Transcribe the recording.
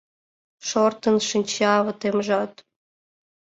Шортын шинча ватемжат.